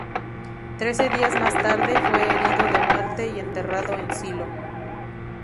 Trece días más tarde, fue herido de muerte y enterrado en Silo.